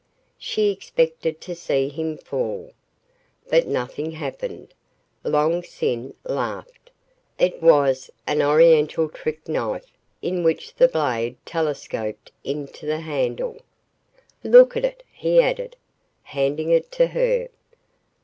She expected to see him fall. But nothing happened. Long Sin laughed. It was an Oriental trick knife in which the blade telescoped into the handle. "Look at it," he added, handing it to her.